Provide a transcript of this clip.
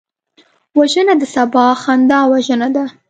وژنه د سبا خندا وژنه ده